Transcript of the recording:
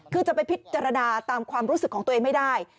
คือจะไปพิจารณาตามความรู้สึกของตัวเองไม่ได้